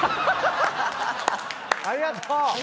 ありがとう！